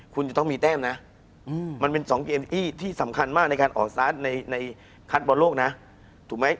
คุณผู้ชมบางท่าอาจจะไม่เข้าใจที่พิเตียร์สาร